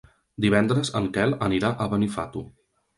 Divendres en Quel anirà a Benifato.